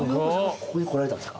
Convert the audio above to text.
ここに来られたんですか？